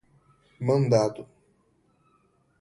mandado